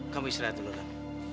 kamu istirahat dulu pak